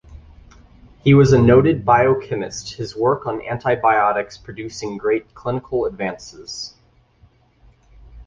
He was a noted biochemist, his work on antibiotics producing great clinical advances.